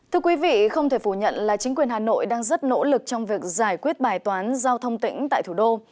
thưa quý vị không thể phủ nhận là chính quyền hà nội đang rất nỗ lực trong việc giải quyết bài toán giao thông tỉnh tại thủ đô